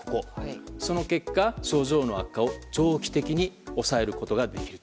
その結果、症状の悪化を長期的に抑えることができると。